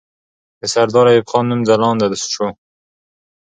د سردار ایوب خان نوم ځلانده سو.